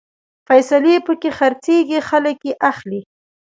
فیصلې پکې خرڅېږي، خلک يې اخلي